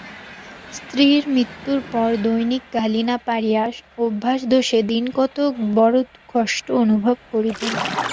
স্ত্রীর মৃত্যুর পর দৈনিক গালি না পাইয়া অভ্যাসদোষে দিনকতক বড়ো কষ্ট অনুভব করিতেন।